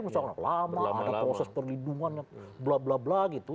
misalnya orang lama ada proses perlindungan blablabla gitu